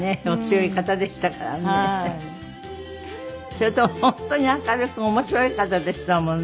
それと本当に明るく面白い方でしたもんね。